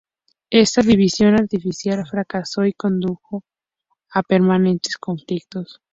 Esta división artificial fracasó y condujo a permanentes conflictos.